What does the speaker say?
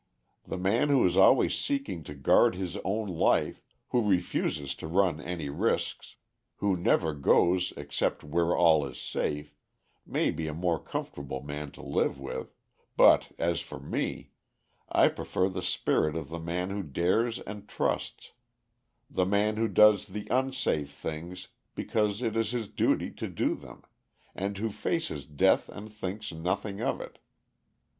The man who is always seeking to guard his own life, who refuses to run any risks, who never goes except where all is safe, may be a more comfortable man to live with, but as for me, I prefer the spirit of the man who dares and trusts; the man who does the unsafe things because it is his duty to do them, and who faces death and thinks nothing of it.